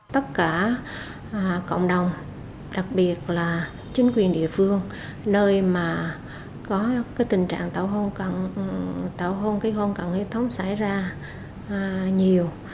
tất cả cộng đồng đặc biệt là chính quyền địa phương nơi mà có tình trạng tảo hôn cận huyết thống xảy ra nhiều